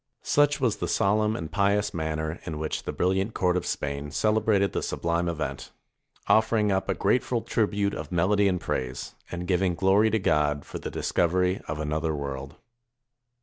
Such was the solemn and pious manner in which the brilHant court of Spain celebrated this subHme event; offering up a grateful tribute of melody and praise, and giving glory to God for the discovery of another world.